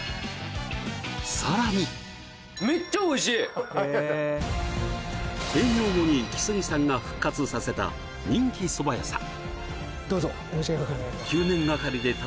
さらに閉業後にイキスギさんが復活させた人気そば屋さん